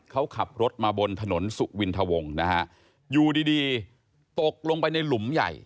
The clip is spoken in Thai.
เขาขับรถมาบนถนนสุวินทวงนะฮะอยู่ดีดีตกลงไปในหลุมใหญ่